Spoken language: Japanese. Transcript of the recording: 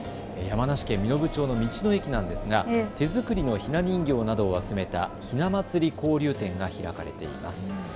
山梨県身延町の道の駅なんですが手作りのひな人形などを集めたひなまつり交流展が開かれています。